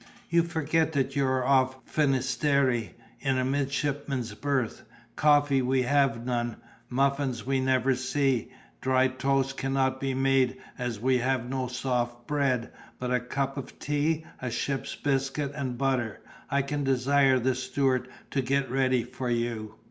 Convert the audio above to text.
"You forget that you are off Finisterre, in a midshipman's berth; coffee we have none—muffins we never see—dry toast cannot be made, as we have no soft bread; but a cup of tea, and ship's biscuit and butter, I can desire the steward to get ready for you."